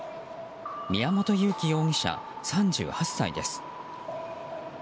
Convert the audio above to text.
宮本祐樹容疑者、３８歳です。